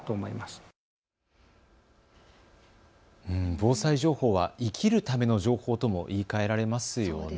防災情報は生きるための情報とも言いかえられますよね。